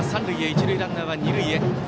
一塁ランナーは二塁へ。